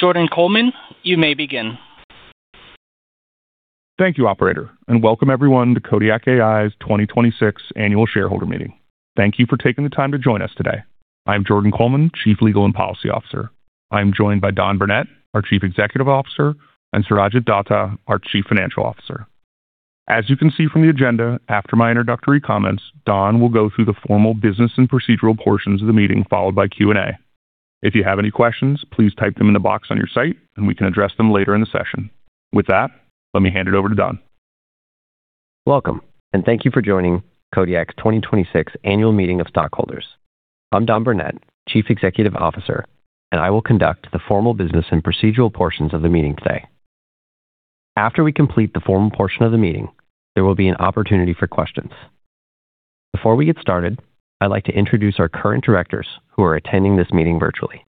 Jordan Coleman, you may begin. Thank you, operator. Welcome everyone to Kodiak AI's 2026 annual shareholder meeting. Thank you for taking the time to join us today. I'm Jordan Coleman, Chief Legal and Policy Officer. I'm joined by Don Burnette, our Chief Executive Officer, and Surajit Datta, our Chief Financial Officer. As you can see from the agenda, after my introductory comments, Don will go through the formal business and procedural portions of the meeting, followed by Q&A. If you have any questions, please type them in the box on your site and we can address them later in the session. With that, let me hand it over to Don. Welcome. Thank you for joining Kodiak's 2026 annual meeting of stockholders. I'm Don Burnette, Chief Executive Officer, and I will conduct the formal business and procedural portions of the meeting today. After we complete the formal portion of the meeting, there will be an opportunity for questions. Before we get started, I'd like to introduce our current directors who are attending this meeting virtually.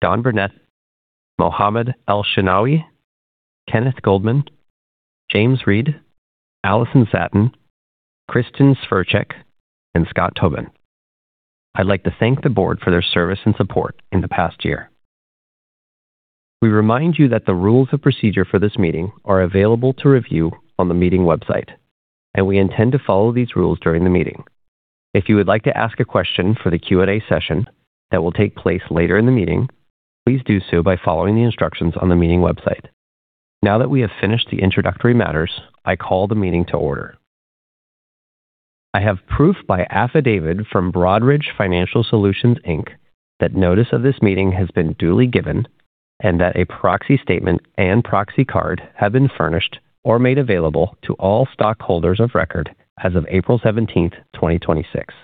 Don Burnette, Mohamed Elshenawy, Kenneth Goldman, James Reed, Allyson Satin, Kristin Sverchek, and Scott Tobin. I'd like to thank the board for their service and support in the past year. We remind you that the rules of procedure for this meeting are available to review on the meeting website, and we intend to follow these rules during the meeting. If you would like to ask a question for the Q&A session that will take place later in the meeting, please do so by following the instructions on the meeting website. Now that we have finished the introductory matters, I call the meeting to order. I have proof by affidavit from Broadridge Financial Solutions Inc. that notice of this meeting has been duly given and that a proxy statement and proxy card have been furnished or made available to all stockholders of record as of April 17th, 2026.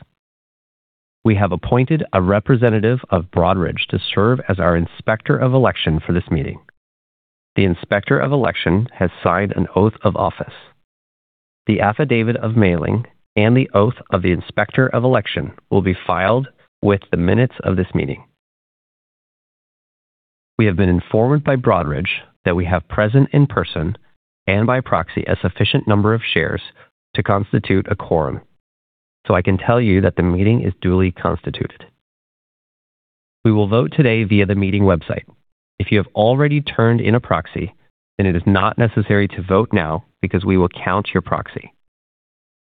We have appointed a representative of Broadridge to serve as our inspector of election for this meeting. The inspector of election has signed an oath of office. The affidavit of mailing and the oath of the inspector of election will be filed with the minutes of this meeting. We have been informed by Broadridge that we have present in person and by proxy a sufficient number of shares to constitute a quorum, so I can tell you that the meeting is duly constituted. We will vote today via the meeting website. If you have already turned in a proxy, then it is not necessary to vote now because we will count your proxy.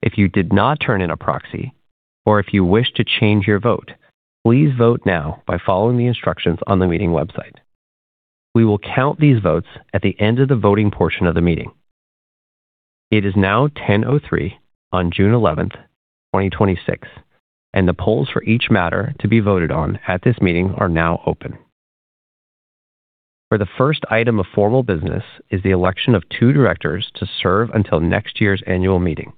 If you did not turn in a proxy or if you wish to change your vote, please vote now by following the instructions on the meeting website. We will count these votes at the end of the voting portion of the meeting. It is now 10:03 A.M. on June 11th, 2026, and the polls for each matter to be voted on at this meeting are now open. For the first item of formal business is the election of two directors to serve until next year's annual meeting.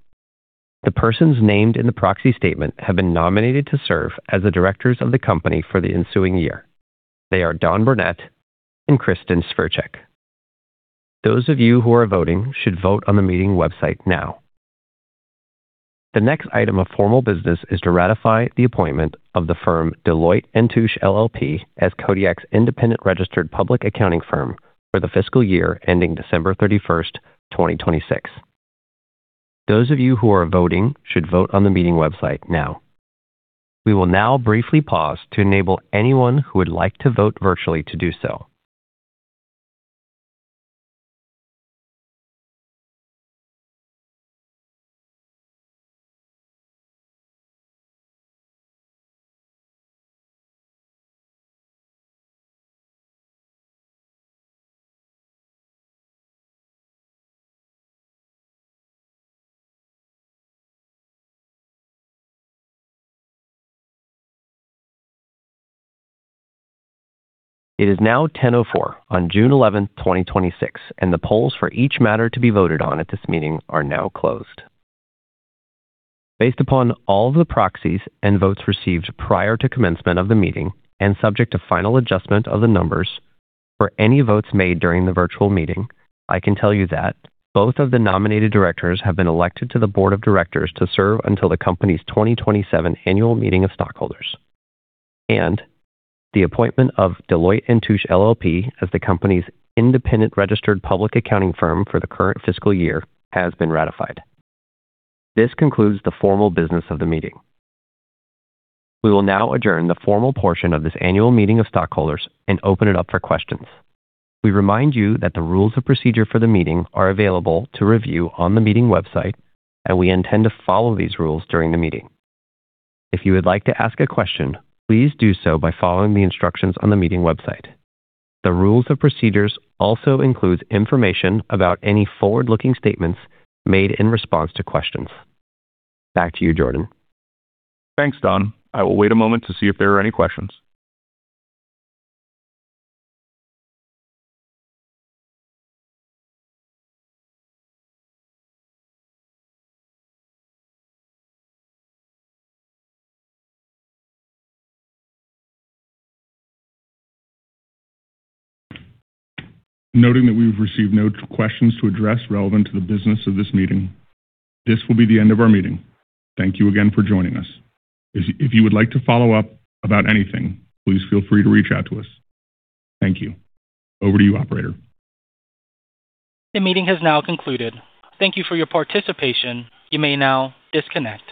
The persons named in the proxy statement have been nominated to serve as the directors of the company for the ensuing year. They are Don Burnette and Kristin Sverchek. Those of you who are voting should vote on the meeting website now. The next item of formal business is to ratify the appointment of the firm Deloitte & Touche LLP as Kodiak's independent registered public accounting firm for the fiscal year ending December 31st, 2026. Those of you who are voting should vote on the meeting website now. We will now briefly pause to enable anyone who would like to vote virtually to do so. It is now 10:04 A.M. on June 11th, 2026, and the polls for each matter to be voted on at this meeting are now closed. Based upon all the proxies and votes received prior to commencement of the meeting and subject to final adjustment of the numbers for any votes made during the virtual meeting, I can tell you that both of the nominated directors have been elected to the board of directors to serve until the company's 2027 annual meeting of stockholders, and the appointment of Deloitte & Touche LLP as the company's independent registered public accounting firm for the current fiscal year has been ratified. This concludes the formal business of the meeting. We will now adjourn the formal portion of this annual meeting of stockholders and open it up for questions. We remind you that the rules of procedure for the meeting are available to review on the meeting website, and we intend to follow these rules during the meeting. If you would like to ask a question, please do so by following the instructions on the meeting website. The rules of procedures also includes information about any forward-looking statements made in response to questions. Back to you, Jordan. Thanks, Don. I will wait a moment to see if there are any questions. Noting that we've received no questions to address relevant to the business of this meeting, this will be the end of our meeting. Thank you again for joining us. If you would like to follow up about anything, please feel free to reach out to us. Thank you. Over to you, operator. The meeting has now concluded. Thank you for your participation. You may now disconnect.